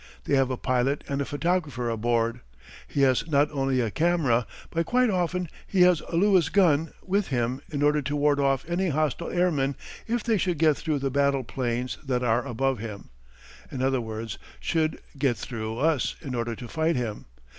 They have a pilot and a photographer aboard. He has not only a camera, but quite often he has a Lewis gun with him in order to ward off any hostile airmen if they should get through the battle planes that are above him; in other words, should get through us in order to fight him.